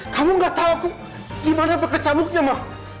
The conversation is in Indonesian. kamu gak tahu aku gimana berkecamuknya ma